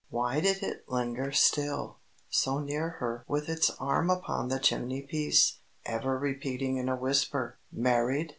Why did it linger still, so near her with its arm upon the chimney piece, ever repeating in a whisper, "Married!